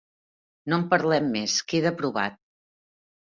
No en parlem més. queda aprovat.